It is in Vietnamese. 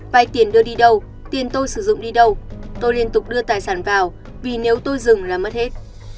vay tiền đưa đi đâu tiền tôi sử dụng đi đâu tôi liên tục đưa tài sản vào vì nếu tôi dừng là mất hết